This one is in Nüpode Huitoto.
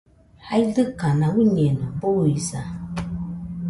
jaidɨkaka uiñeno, buisa